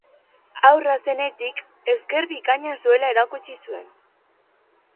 Haurra zenetik ezker bikaina zuela erakutsi zuen.